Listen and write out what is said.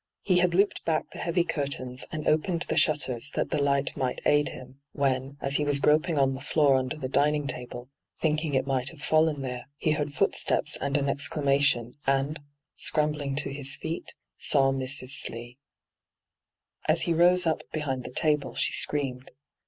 He had looped back the heavy curtains and opened the shutters that the light might aid him, when, as he was groping on the floor under the dining table, thinking it might have fallen there, he heard footsteps and an exclamation, and, scrambling to his feet, saw Mrs. Slee. As he rose up behind the table she screamed.